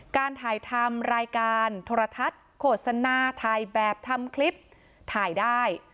การถ่ายทำรายการโทรทัศน์โฆษณาถ่ายแบบทำคลิปถ่ายได้